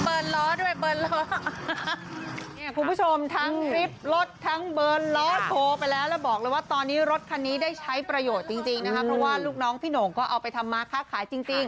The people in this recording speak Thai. ล้อด้วยเบิร์นล้อเนี่ยคุณผู้ชมทั้งคลิปรถทั้งเบิร์นล้อโทรไปแล้วแล้วบอกเลยว่าตอนนี้รถคันนี้ได้ใช้ประโยชน์จริงจริงนะคะเพราะว่าลูกน้องพี่หน่งก็เอาไปทำมาค้าขายจริงจริง